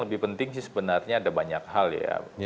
lebih penting sih sebenarnya ada banyak hal ya